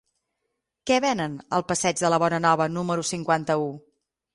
Què venen al passeig de la Bonanova número cinquanta-u?